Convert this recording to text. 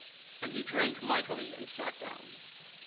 And he drank mightily and sat down.